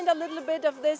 để tìm thấy một ít